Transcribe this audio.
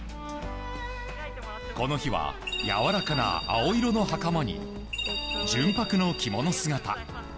この日は、やわらかな青色の袴に純白の着物姿。